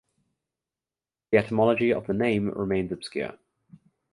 The etymology of the name remains obscure.